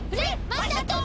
まさとも！